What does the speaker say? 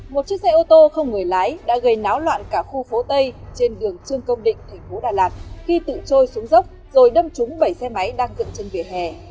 một chiếc xe ô tô không người lái đã gây náo loạn cả khu phố tây trên đường trương công định thành phố đà lạt khi tự trôi xuống dốc rồi đâm trúng bảy xe máy đang dựng trên vỉa hè